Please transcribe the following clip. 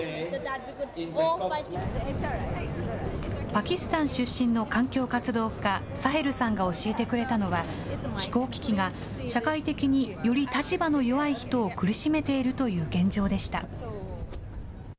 パキスタン出身の環境活動家、サヘルさんが教えてくれたのは、気候危機が社会的により立場の弱い人を苦しめているという現状でした。